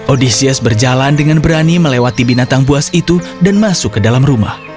odysias berjalan dengan berani melewati binatang buas itu dan masuk ke dalam rumah